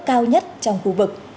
cao nhất trong khu vực